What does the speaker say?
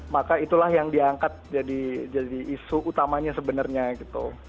maka itulah yang diangkat jadi isu utamanya sebenarnya gitu